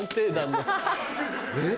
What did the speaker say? えっ？